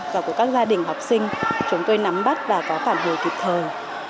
và của các gia đình học sinh chúng tôi nắm bắt và có phản hồi kịp thời